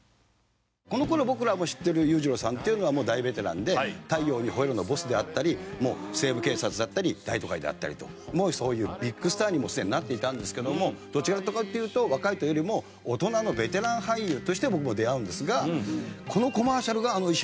この頃僕らも知ってる裕次郎さんっていうのはもう大ベテランで『太陽にほえろ！』のボスであったり『西部警察』だったり『大都会』だったりともうそういうビッグスターにすでになっていたんですけどもどちらかっていうと若いというよりも大人のベテラン俳優として僕も出会うんですが。